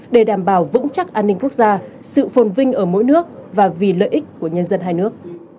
để đảm bảo vững chắc an ninh quốc gia sự phồn vinh ở mỗi nước và vì lợi ích của nhân dân hai nước